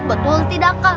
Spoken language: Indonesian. betul tidak kak